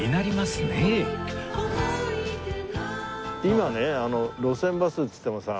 今ね路線バスっつってもさ